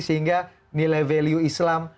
sehingga nilai value islam